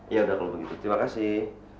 ya udah kalau begitu terima kasih